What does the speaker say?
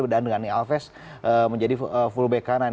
dan dengan alves menjadi full back kanan